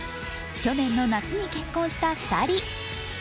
去年の夏に結婚した２人。